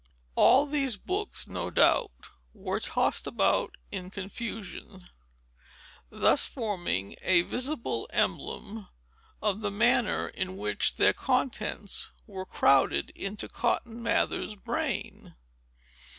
All these books, no doubt, were tossed about in confusion, thus forming a visible emblem of the manner in which their contents were crowded into Cotton Mather's brain.